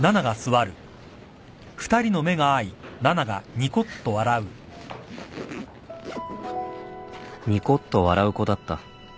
ニコッと笑う子だった